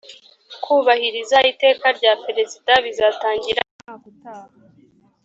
kubahiriza iteka rya perezida bizatangira umwaka utaha